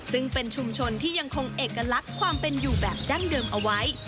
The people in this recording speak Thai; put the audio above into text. ซึ่งเป็นชุมชนที่ยังคงเอกลักษณ์ความเป็นอยู่แบบดั้งเดิมเอาไว้